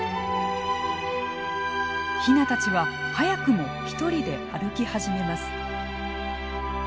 ヒナたちは早くも一人で歩き始めます。